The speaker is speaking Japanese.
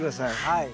はい。